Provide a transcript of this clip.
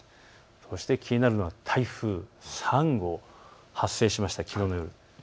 そして気になるのが台風３号、発生しました、きのうの夜。